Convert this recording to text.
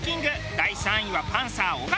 第３位はパンサー尾形。